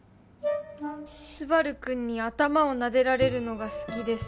スバル君に頭をなでられるのが好きです